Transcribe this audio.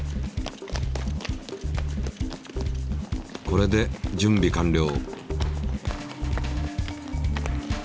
これで準備完了。